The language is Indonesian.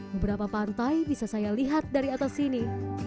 beberapa pantai bisa saya lihat dari atas sini